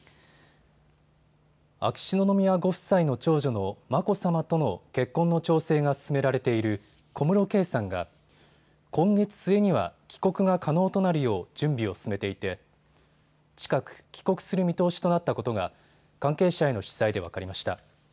秋篠宮ご夫妻の長女の眞子さまとの結婚の調整が進められている小室圭さんが今月末には帰国が可能となるよう準備を進めていて近く帰国する見通しとなったことが関係者への取材で分かりました。